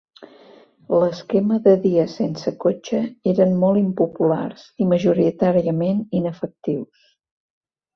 L'esquema de dies sense cotxe eren molt impopulars i majoritàriament inefectius.